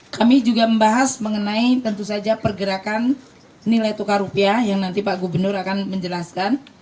kami juga membahas mengenai tentu saja pergerakan nilai tukar rupiah yang nanti pak gubernur akan menjelaskan